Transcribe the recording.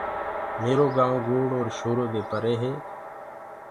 ميرو گآئونٚ گوڙ اور شورو دي پري هي